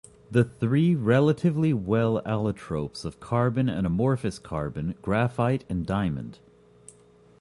The three relatively well-known allotropes of carbon are amorphous carbon, graphite, and diamond.